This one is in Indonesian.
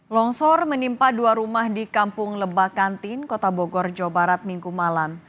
longsor menimpa dua rumah di kampung lebakantin kota bogor jawa barat minggu malam